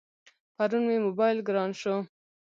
پرون مې موبایل گران شو.